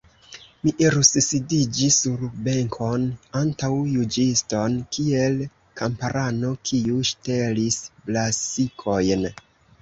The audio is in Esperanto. Mi irus sidiĝi sur benkon, antaŭ juĝiston, kiel kamparano, kiu ŝtelis brasikojn!